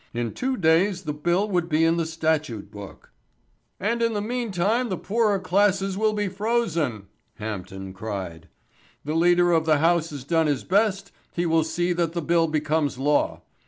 In two days the bill would be in the Statute Book " "And in the meantime the poorer classes will be frozen," Hampden cried. "The Leader of the House has done his best, he will see that the bill becomes law.